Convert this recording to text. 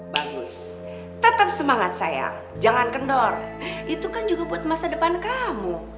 bagus tetap semangat saya jangan kendor itu kan juga buat masa depan kamu